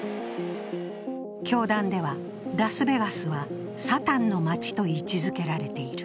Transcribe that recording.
教団では、ラスベガスはサタンの街と位置づけられている。